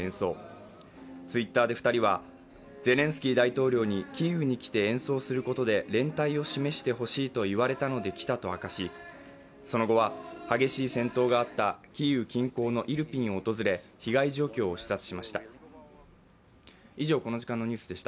Ｔｗｉｔｔｅｒで２人は、ゼレンスキー大統領にキーウに来て演奏することで連帯を示してほしいと言われたので来たと明かし、その後は、激しい戦闘があったキーウ近郊のイルピンを訪れ被害状況を視察しました。